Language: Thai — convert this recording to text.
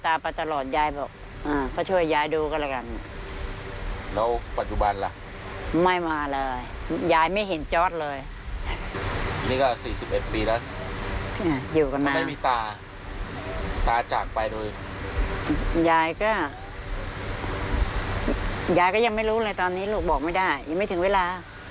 อันนี้ลูกบอกไม่ได้ยังไม่ถึงเวลา